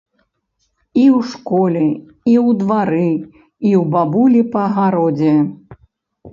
І ў школе, і ў двары, і ў бабулі па гародзе.